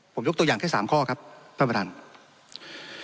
ผมยกตัวอย่างแค่๓ข้อครับตำรวจ